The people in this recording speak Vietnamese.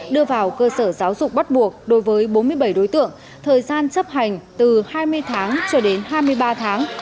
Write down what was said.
đưa vào cơ sở giáo dục bắt buộc đối với bốn mươi bảy đối tượng thời gian chấp hành từ hai mươi tháng cho đến hai mươi ba tháng